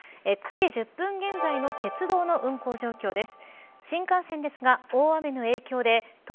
９時１０分現在の鉄道の運行状況です。